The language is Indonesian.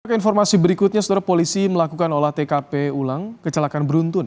untuk informasi berikutnya setelah polisi melakukan olah tkp ulang kecelakaan beruntun